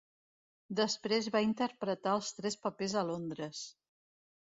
Després va interpretar els tres papers a Londres.